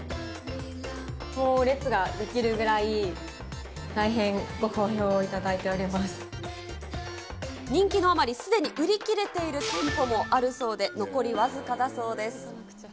もう列が出来るぐらい、人気のあまり、すでに売り切れている店舗もあるそうで、残り僅かだそうです。